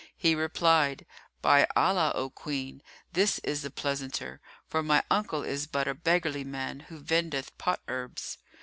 He replied, "By Allah, O Queen, this is the pleasanter, for my uncle is but a beggarly man, who vendeth pot herbs."